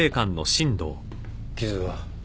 傷は？